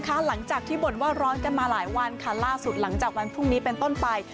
หลังจากที่บ่นว่าร้อนกันมาหลายวันค่ะล่าสุดหลังจากวันพรุ่งนี้เป็นต้นไป